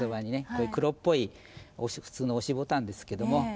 こういう黒っぽい普通の押しボタンですけども。